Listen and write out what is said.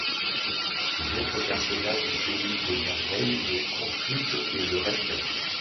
Les autres personnages du pays des merveilles le consultent et le respectent.